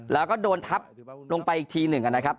แล้วก็โดนทับลงไปอีกทีหนึ่งนะครับ